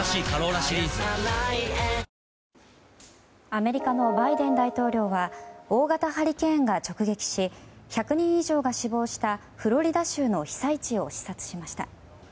アメリカのバイデン大統領は大型ハリケーンが直撃し１００人以上が死亡したフロリダ州の被災地を視察しました。